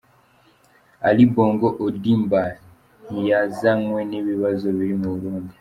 Ali Bongo Ondimba "ntiyazanywe n'ibibazo biri mu Burundi".